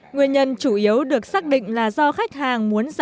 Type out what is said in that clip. nguyên nhân chủ yếu được xác định là do khách hàng muốn giá điện